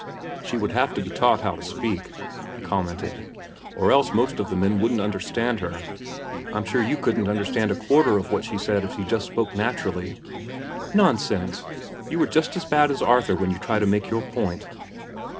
"She would have to be taught how to speak," he commented, "or else most of the men wouldn't understand her. I'm sure you couldn't understand a quarter of what she said if she just spoke naturally." "Nonsense! You are as bad as Arthur when you try to make your point."